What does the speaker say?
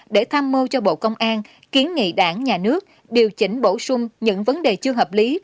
để tham mưu cho bộ công an kiến nghị đảng nhà nước điều chỉnh bổ sung những vấn đề chưa hợp lý